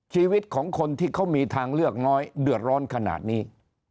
ชีวิตของคนที่เขามีทางเลือกน้อยเดือดร้อนขนาดนี้